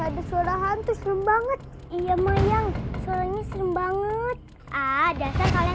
iya ada suara hantu serem banget iya mayang soalnya serem banget ada kalian